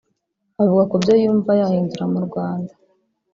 Avuga ku byo yumva yahindura mu Rwanda